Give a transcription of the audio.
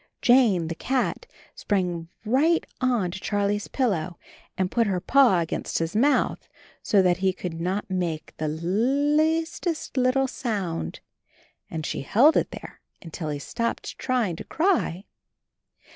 Jane, the cat, sprang right on to Charlie's pillow and put her paw against his mouth, so that he could not make the leastest little sound. And she held it there until he stopped trying to cry.